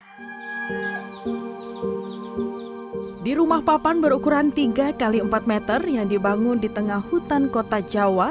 hai di rumah papan berukuran tiga kali empat meter yang dibangun di tengah hutan kota jawa